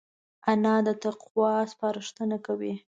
انا د تقوی سپارښتنه کوي